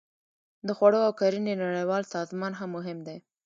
د خوړو او کرنې نړیوال سازمان هم مهم دی